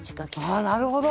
ああなるほど！